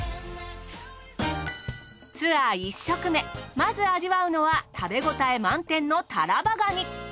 ツアー１食目まず味わうのは食べ応え満点のタラバガニ。